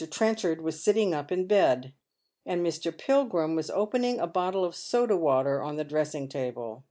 Trenchard was sitting up in bed, and Mr. Pilgrim was opening a bottle of soda water on the dressing table.